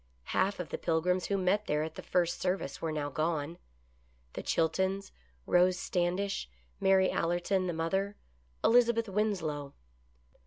Half of the Pilgrims who met there at the first service were now gone: the Chiltons, Rose Standish, Mary Allerton, the mother, Elizabeth Winslow.